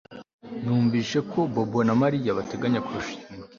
Numvise ko Bobo na Mariya bateganya kurushinga